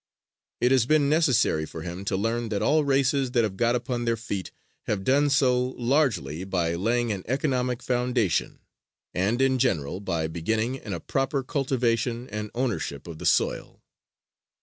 It has been necessary for him to learn that all races that have got upon their feet have done so largely by laying an economic foundation, and, in general, by beginning in a proper cultivation and ownership of the soil.